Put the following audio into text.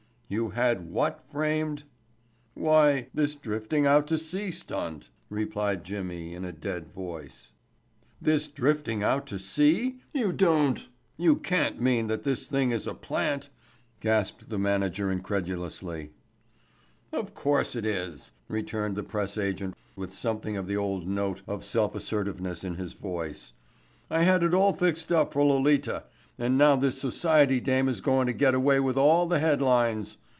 "You had what framed?" "Why—this drifting out to sea stunt," replied Jimmy in a dead voice. "This drifting out to sea—you don't—you can't mean that this thing is a plant," gasped the manager incredulously. "Of course it is," returned the press agent with something of the old note of self assertiveness in his voice. "I had it all fixed up for Lolita, and now this society dame is goin' to get away with all the head lines.